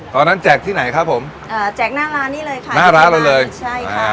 แจกที่ไหนครับผมอ่าแจกหน้าร้านนี้เลยค่ะหน้าร้านเราเลยใช่ค่ะ